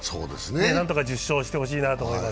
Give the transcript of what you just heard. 何とか１０勝してほしいと思います。